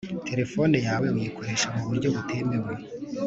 Telefoni yawe uyikoresha mu buryo butemewe